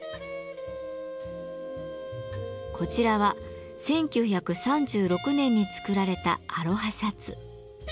こちらは１９３６年に作られたアロハシャツ。